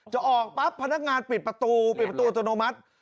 ออกปั๊บพนักงานปิดประตูปิดประตูอัตโนมัติ